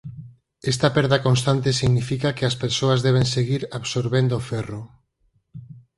Esta perda constante significa que as persoas deben seguir absorbendo ferro.